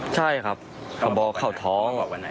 ใช่ครับเขาบอกเขาท้อง